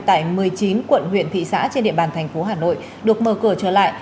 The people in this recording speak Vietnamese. tại một mươi chín quận huyện thị xã trên địa bàn thành phố hà nội được mở cửa trở lại